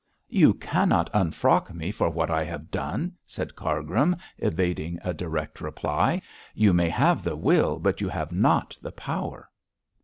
'You cannot unfrock me for what I have done,' said Cargrim, evading a direct reply. 'You may have the will, but you have not the power.'